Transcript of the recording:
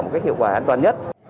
một cái hiệu quả an toàn nhất